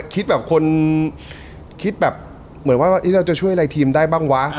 คิดแบบคนคิดแบบเหมือนว่าเราจะช่วยอะไรทีมได้บ้างวะ